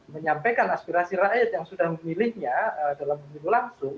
menyampaikan aspirasi rakyat yang sudah memilihnya dalam pemilu langsung